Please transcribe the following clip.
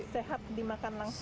sehat dimakan langsung